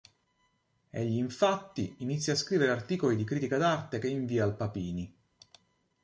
Egli infatti inizia a scrivere articoli di critica d'arte che invia al Papini.